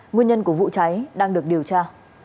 nguyên nhân của vụ cháy đang được điều tra